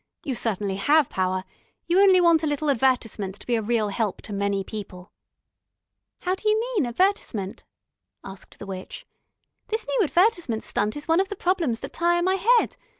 You certainly have Power, you only want a little advertisement to be a real help to many people." "How d'you mean advertisement?" asked the witch. "This new advertisement stunt is one of the problems that tire my head.